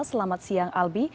selamat siang albi